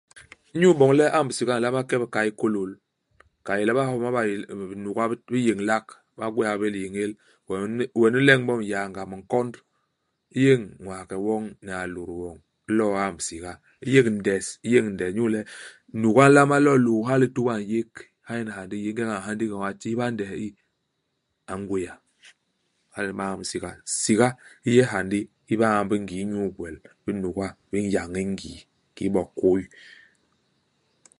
Inyu iboñ le u amb siga, u nlama ke i bikay, u kôlôl, ka i yé le ibahoma ba eeh binuga bi yéñlak, ba gwéé ha bé liyéñél. Wen i wen u leñ bo nyaanga, minkond. U yéñ ñwaghe woñ ni alôt woñ, u lo'o u amb siga. U yek ndes, u yék ndes inyu le nuga i nlama lo i lôô ha i lituba u n'yék, ha nyen hyandi hi yé. Ingeñ a nha ndigi ño ha a tihba ndes i. A ngwia. Hala nyen ba ñamb siga. Siga i yé hyandi hi ba ñamb i ngii inyu igwel ibinuga bi n'yañ i ngii, kki bo kôy.